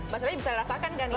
maksudnya bisa dirasakan kan ya